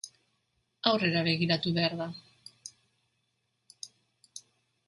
Aurrera begiratu behar da